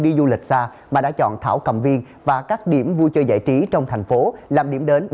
đi du lịch xa bà đã chọn thảo cầm viên và các điểm vui chơi giải trí trong thành phố làm điểm đến